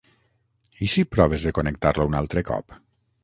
I si proves de connectar-lo un altre cop?